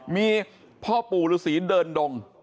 มีพ่อปู่ฤษีเดินดง